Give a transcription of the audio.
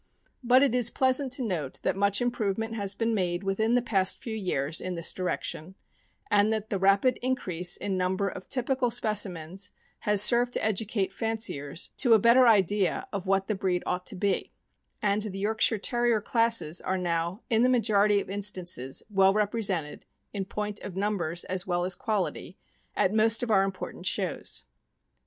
But it is pleasant to note that much impiovement has been made within the past few years in this direction, and that the rapid increase in number of typical specimens has served to educate fanciers to a better idea of what the breed ought to be; and the Yorkshire Terrier classes are now, in the majority of instances, well represented, in point of numbers as well as quality, at most of our important shows.